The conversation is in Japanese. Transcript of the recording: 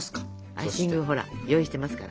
アイシングをほら用意してますから。